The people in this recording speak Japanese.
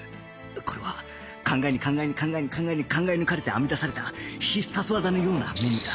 これは考えに考えに考えに考えに考え抜かれて編み出された必殺技のようなメニューだ